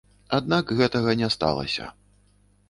Аднак, гэтага не сталася.